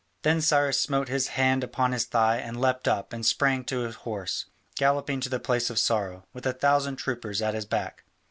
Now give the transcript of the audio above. Then Cyrus smote his hand upon his thigh and leapt up and sprang to horse, galloping to the place of sorrow, with a thousand troopers at his back.